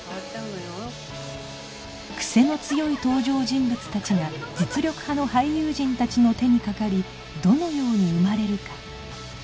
癖の強い登場人物たちが実力派の俳優陣たちの手にかかりどのように生まれるか？